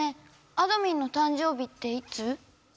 あどミンの誕生日っていつ？